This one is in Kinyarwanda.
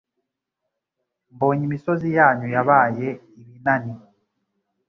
Mbonye imisozi yanyu Yabaye ibinani,